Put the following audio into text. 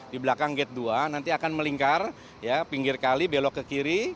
di belakang gate dua nanti akan melingkar pinggir kali belok ke kiri